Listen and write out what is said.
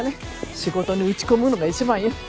仕事に打ち込むのが一番よ。